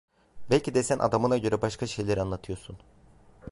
Belki de sen adamına göre başka şeyler anlatıyorsun.